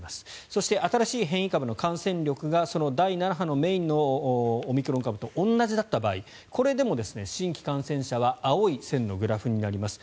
そして、新しい変異株の感染力が第７波のメインのオミクロン株と同じだった場合これでも新規感染者は青い線のグラフになります。